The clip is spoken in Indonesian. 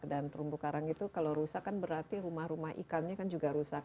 dan terumbu karang itu kalau rusak kan berarti rumah rumah ikannya kan juga rusak